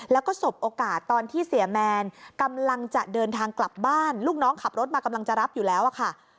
แล้วก็สบโอกาสตอนที่เสียแมนกำลังจะเดินทางกลับบ้านลูกน้องขับรถมากำลังจะรับอยู่แล้วอะค่ะ